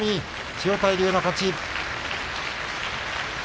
千代大龍の勝ち。